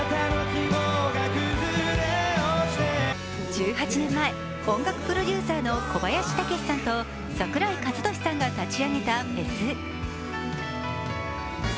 １８年前、音楽プロデューサーの小林武史さんと櫻井和寿さんが立ち上げたフェス。